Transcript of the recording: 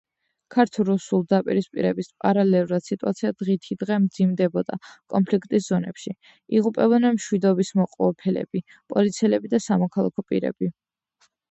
ქართულ–რუსული დაპირისპირების პარალელურად სიტუაცია დღითიდღე მძიმდებოდა კონფლიქტის ზონებში, იღუპებოდნენ მშვიდობისმყოფელები, პოლიციელები და სამოქალაქო პირები.